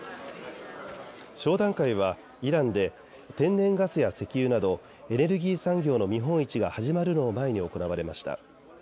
商談会はイランで天然ガスや石油などエネルギー産業の見本市が始まるのを前に行われました。